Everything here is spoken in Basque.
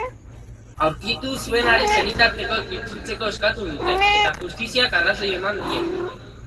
Aurkitu zuenaren senitartekoek itzultzeko eskatu dute, eta justizak arrazoi eman die.